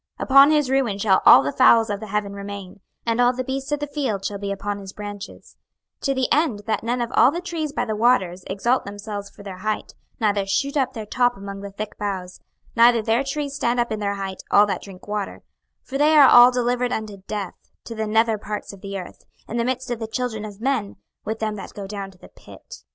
26:031:013 Upon his ruin shall all the fowls of the heaven remain, and all the beasts of the field shall be upon his branches: 26:031:014 To the end that none of all the trees by the waters exalt themselves for their height, neither shoot up their top among the thick boughs, neither their trees stand up in their height, all that drink water: for they are all delivered unto death, to the nether parts of the earth, in the midst of the children of men, with them that go down to the pit.